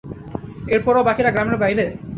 এরপরেও বাকিরা গ্রামের বাইরে?